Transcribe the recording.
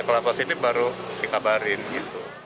kalau positif baru dikabarin gitu